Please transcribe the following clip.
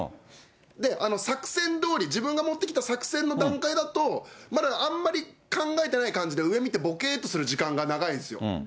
で、作戦どおり、自分が持ってきた作戦の段階だと、まだあんまり考えてない感じで、上見て、ぼけーっとする時間が長いんですよ。